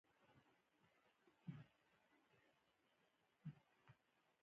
همداسې ښه یم ښه سم غرق خانه خراب لاندې